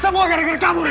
semua gara gara kamu rin